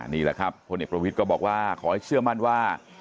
นี่แหละครับคนเห็นก็บอกว่าขอให้เชื่อมั่นว่า